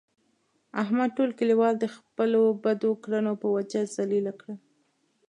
احمد ټول کلیوال د خپلو بدو کړنو په وجه ذلیله کړل.